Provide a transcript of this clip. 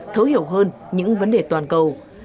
thấu hiểu hơn những vấn đề toàn cầu